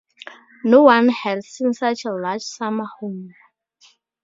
No one had seen such a large summer home.